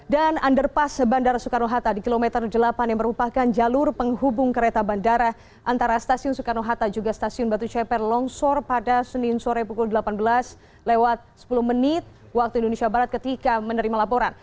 dan underpass bandara soekarno hatta di kilometer delapan yang merupakan jalur penghubung kereta bandara antara stasiun soekarno hatta juga stasiun batu ceper longsor pada senin sore pukul delapan belas lewat sepuluh menit waktu indonesia barat ketika menerima laporan